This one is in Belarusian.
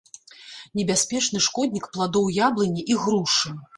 Небяспечны шкоднік пладоў яблыні і грушы.